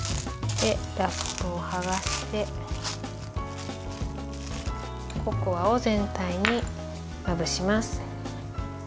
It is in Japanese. ラップをはがしてココアを全体にまぶします。